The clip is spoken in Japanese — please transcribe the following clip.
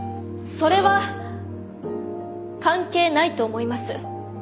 それは関係ないと思います。